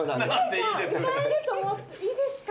歌えるといいですか？